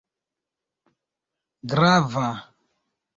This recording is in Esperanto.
grava